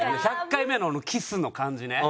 「１００回目のｋｉｓｓ」の感じね。